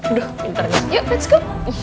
aduh pintarnya yuk let's go